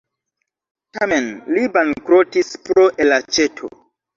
Tamen li bankrotis pro elaĉeto.